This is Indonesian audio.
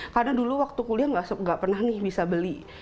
karena dulu waktu kuliah nggak pernah bisa beli